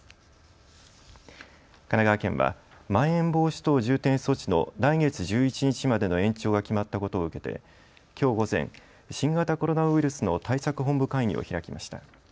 神奈川県はまん延防止等重点措置の来月１１日までの延長が決まったことを受けてきょう午前新型コロナウイルスの対策本部会議を開きました。